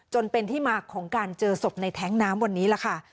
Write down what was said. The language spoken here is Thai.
จนเป็นที่มาของการเจอศพในแท้งน้ำวันนี้ล่ะค่ะ